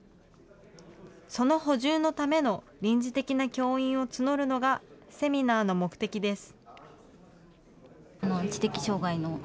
その補充のための臨時的な教員を募るのがセミナーの目的です。